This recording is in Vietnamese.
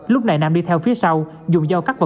lúc này nam đi theo phía sau dùng do cắt vật